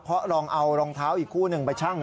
เพราะลองเอารองเท้าอีกคู่หนึ่งไปชั่ง